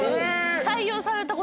採用されたことは？